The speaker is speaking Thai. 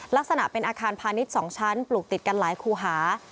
ลักษณะเป็นอาคารพาณิชย์๒ชั้นปลูกติดกันหลายคู่หา